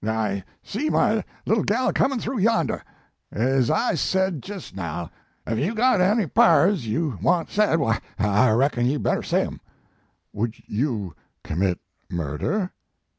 I see my little gal comin through yander. Ez I said jest now, ef you ve got any pra rs you want said, w y, I reckon you better say em." 4 Would you commit murder?"